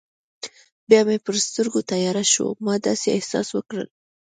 بیا مې پر سترګو تیاره شوه، ما داسې احساس وکړل.